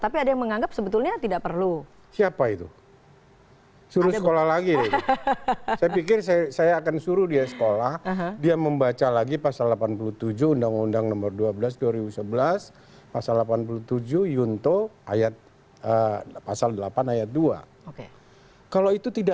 pks tidak akan mencalonkan